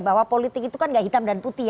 bahwa politik itu kan gak hitam dan putih